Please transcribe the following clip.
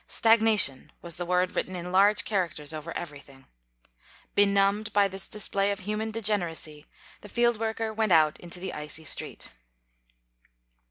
Stagna tion was the word written in large characters over everything. Benumbed by this display of human degeneracy, the field worker went out into the icy street.